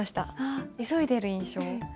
あっ急いでる印象？